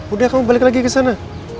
udah kamu balik lagi kesana